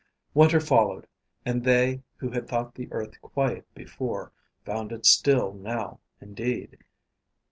Winter followed, and they, who had thought the earth quiet before, found it still now indeed.